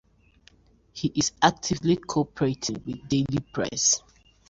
He is actively cooperating with the daily press.